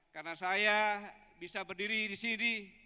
karena saya bisa berdiri di sini